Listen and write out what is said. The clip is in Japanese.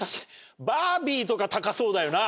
バービーとか高そうだよな。